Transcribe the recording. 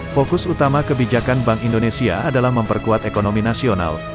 fokus utama kebijakan bank indonesia adalah memperkuat ekonomi nasional